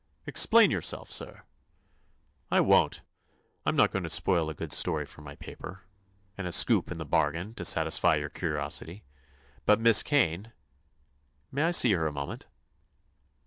"Explain yourself, sir!" "I won't. I'm not going to spoil a good story for my paper—and a scoop in the bargain—to satisfy your curiosity. But Miss Kane—May I see her a moment?"